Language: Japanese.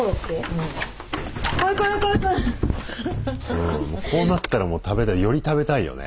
うんもうこうなったらより食べたいよね